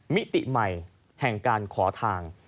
มิติใหม่แห่งการขอทาง